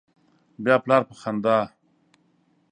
بیا پلار په خندا